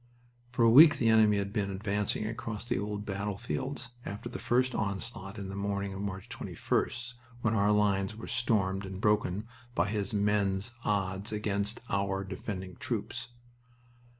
For a week the enemy had been advancing across the old battlefields after the first onslaught in the morning of March 21st, when our lines were stormed and broken by his men's odds against our defending troops.